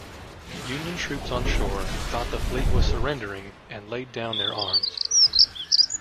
Union troops on shore thought the fleet was surrendering, and laid down their arms.